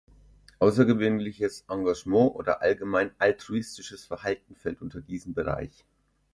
Außergewöhnliches Engagement oder allgemein altruistisches Verhalten fällt unter diesen Bereich.